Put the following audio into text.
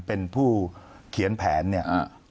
เป็นผู้เขียนแผนเนี่ย